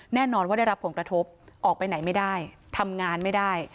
แน่นอนว่าได้รับผลกระทบออกไปไหนไม่ได้ทำงานไม่ได้